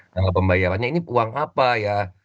dalam pembayarannya ini uang apa ya